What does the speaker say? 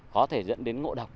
có thể dẫn đến ngộ độc